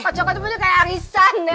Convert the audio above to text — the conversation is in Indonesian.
kocok cocok tuh kayak arisan ya